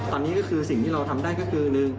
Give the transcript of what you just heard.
ตอนนี้ก็คือสิ่งที่เราทำได้ก็คือ